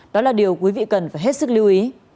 đó là điều quý vị cần phải hết sức lưu ý